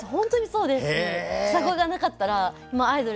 そうですか。